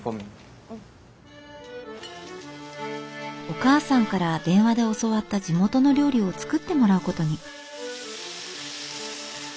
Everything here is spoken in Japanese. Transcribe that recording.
お母さんから電話で教わった地元の料理を作ってもらうことに。